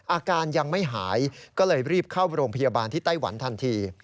อาการยังไม่หายก็เลยรีบเข้าโรงพยาบาลที่ไต้หวันทันที